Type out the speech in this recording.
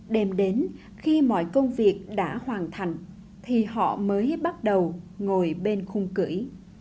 đêm đến khi mọi công việc đã hoàn thành thì họ mới bắt đầu ngồi bên khung cửi